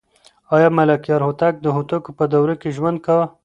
آیا ملکیار هوتک د هوتکو په دوره کې ژوند کاوه؟